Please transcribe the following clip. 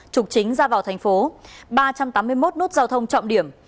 trục chính ra vào thành phố ba trăm tám mươi một nút giao thông trọng điểm